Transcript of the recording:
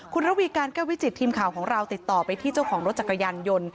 คุณระวีการแก้ววิจิตทีมข่าวของเราติดต่อไปที่เจ้าของรถจักรยานยนต์